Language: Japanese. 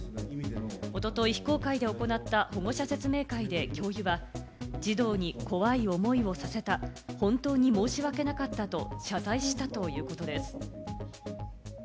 おととい非公開で行った保護者説明会で教諭は、児童に怖い思いをさせた、本当に申し訳なかったと謝罪したということです。